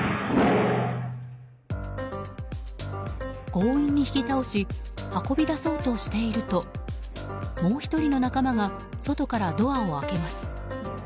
強引に引き倒し運び出そうとしているともう１人の仲間が外からドアを開けます。